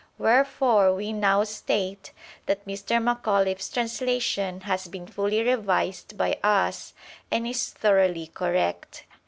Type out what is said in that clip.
Wherefore we now state that Mr. Macauliffe s translation has been fully revised by us, and is thoroughly correct.